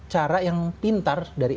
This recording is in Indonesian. cara yang pintar dari